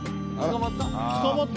・捕まった？